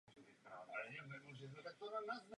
Správcem vodního díla je státní podnik Povodí Ohře.